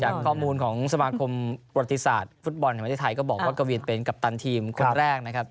ข้อมูลของสมาคมประติศาสตร์ฟุตบอลแห่งประเทศไทยก็บอกว่ากวินเป็นกัปตันทีมคนแรกนะครับ